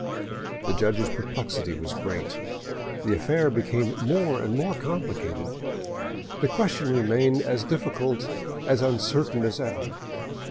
The judge's perplexity was great: the affair became more and more complicated, the question remained as difficult, as uncertain as ever.